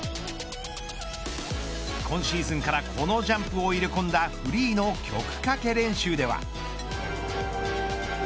今シーズンからこのジャンプを入れ込んだフリーの曲かけ練習では。